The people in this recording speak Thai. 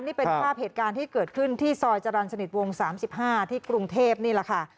นี่เป็นภาพเหตุการณ์ที่เกิดขึ้นที่ซอยจรรย์สนิทวง๓๕ที่กรุงเทพนี่แหละค่ะ